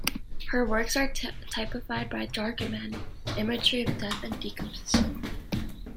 Her works are typified by dark imagery of death and decomposition.